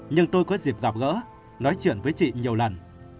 nhưng tôi có dịp gặp gỡ nói chuyện với chị nhiều lần